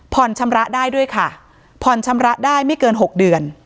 ชำระได้ด้วยค่ะผ่อนชำระได้ไม่เกิน๖เดือน